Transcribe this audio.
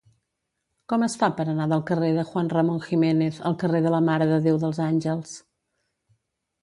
Com es fa per anar del carrer de Juan Ramón Jiménez al carrer de la Mare de Déu dels Àngels?